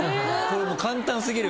・簡単過ぎる？